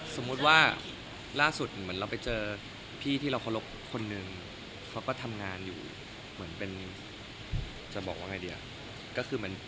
สมมุติว่าล่าสุดเหมือนเราไปเจอพี่ที่เราเคารพคนหนึ่งเขาก็ทำงานอยู่เหมือนเป็นจะบอกว่าไงดีอ่ะ